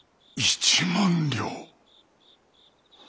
１万両。